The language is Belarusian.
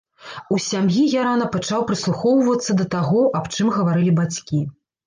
У сям'і я рана пачаў прыслухоўвацца да таго, аб чым гаварылі бацькі.